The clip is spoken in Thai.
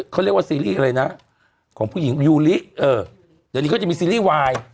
เขาเรียกว่าซีรีส์อะไรนะของผู้หญิงยูริเออเดี๋ยวนี้เขาจะมีซีรีส์วาย